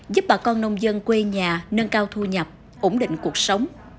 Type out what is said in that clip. giúp bà con nông dân quê nhà nâng cao thu nhập ổn định cuộc sống